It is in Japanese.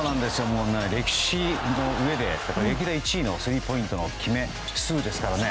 歴史の上で歴代１位のスリーポイントの決め数ですからね。